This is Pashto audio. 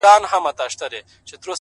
هره شېبه د سمون فرصت لري